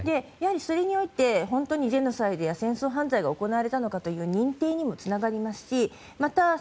やはりそれにおいて本当にジェノサイドや戦争犯罪が行われたのかという認定にもつながりますしまた